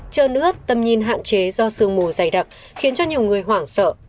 trơn ướt tâm nhìn hạn chế do sương mù dày đặc khiến cho nhiều người hoảng sợ